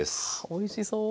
おいしそう。